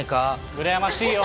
うらやましいよ。